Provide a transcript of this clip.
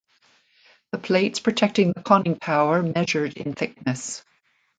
The plates protecting the conning tower measured in thickness.